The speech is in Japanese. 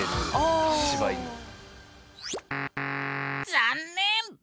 残念！